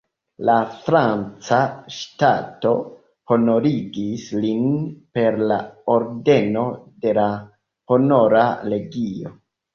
La franca ŝtato honorigis lin per la ordeno de la Honora Legio.